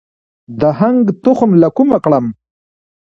د هنګ تخم له کومه کړم؟